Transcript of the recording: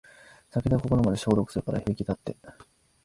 酒で心まで消毒するから平気だって